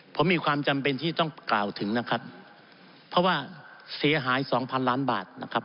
ผมมีความจำเป็นที่ต้องกล่าวถึงนะครับเพราะว่าเสียหายสองพันล้านบาทนะครับ